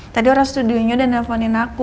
tadi orang studionya udah nelfonin aku